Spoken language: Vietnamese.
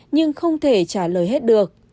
nhưng không thể trả lời hết được